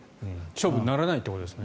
勝負にならないってことですね。